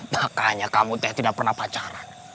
makanya kamu teh tidak pernah pacaran